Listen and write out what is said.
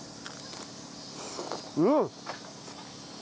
うん！